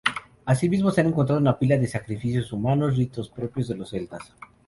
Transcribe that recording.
Asimismo, se ha encontrado una pila de sacrificios humanos, ritos propios de los celtas.